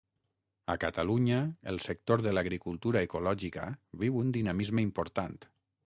A Catalunya, el sector de l'agricultura ecològica viu un dinamisme important.